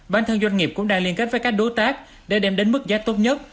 bản thân doanh nghiệp cũng đang liên kết với các đối tác để đem đến mức giá tốt nhất